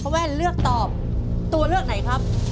แว่นเลือกตอบตัวเลือกไหนครับ